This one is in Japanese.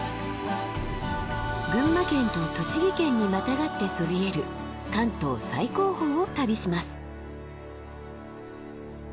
群馬県と栃木県にまたがってそびえる関東最高峰を旅します。